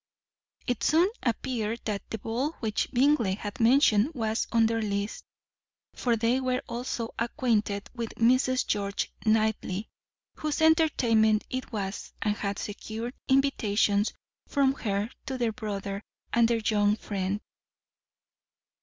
It soon appeared that the ball which Bingley had mentioned was on their list; for they were also acquainted with Mrs. George Knightley, whose entertainment it was, and had secured invitations from her for their brother and their young friend.